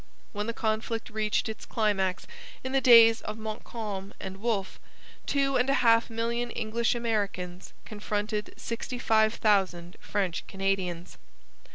When the conflict reached its climax in the days of Montcalm and Wolfe, two and a half million English Americans confronted sixty five thousand French Canadians.